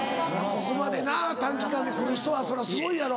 ここまでな短期間でくる人はそりゃすごいやろ。